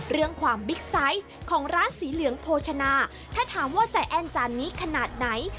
เรื่องความบิ๊กไซส์ของร้านสีเหลืองโภชนาถ้าถามว่าใจแอ้นจานนี้ขนาดไหน